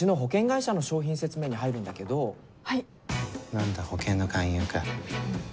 何だ保険の勧誘か。